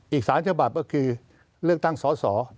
อีก๓ฉบับก็คือเลือกตั้งสอสอ